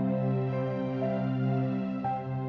kakang mencintai dia kakang